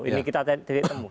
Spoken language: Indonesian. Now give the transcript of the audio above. ini kita titik temu